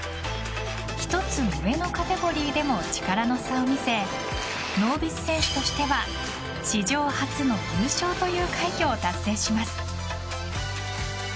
１つ上のカテゴリーでも力の差を見せノービス選手としては史上初の優勝という快挙を達成します。